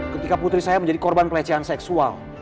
ketika putri saya menjadi korban pelecehan seksual